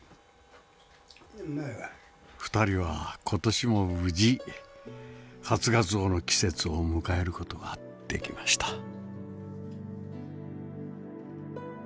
２人は今年も無事初ガツオの季節を迎える事ができました。